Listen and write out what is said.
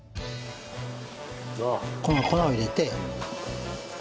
この粉を入れて。